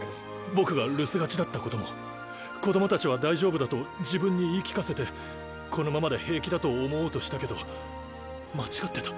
僕が留守がちだったことも子供たちは大丈夫だと自分に言い聞かせてこのままで平気だと思おうとしたけど間違ってた。